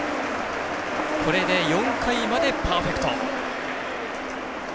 これで、４回までパーフェクト。